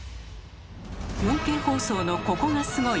「４Ｋ放送のココがスゴい！」